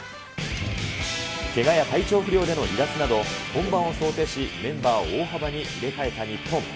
けがや体調不良での離脱など、本番を想定し、メンバーを大幅に入れ替えた日本。